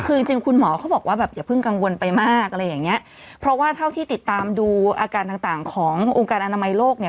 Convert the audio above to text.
คือจริงจริงคุณหมอเขาบอกว่าแบบอย่าเพิ่งกังวลไปมากอะไรอย่างเงี้ยเพราะว่าเท่าที่ติดตามดูอาการต่างต่างขององค์การอนามัยโลกเนี่ย